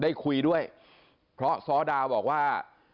ได้คุยด้วยเพราะซ้อดาวบอกว่า